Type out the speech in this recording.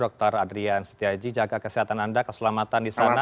dr adrian setiaji jaga kesehatan anda keselamatan di sana